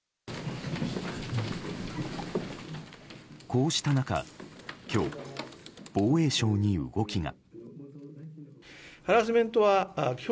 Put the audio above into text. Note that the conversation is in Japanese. こうした中今日、防衛省に動きが。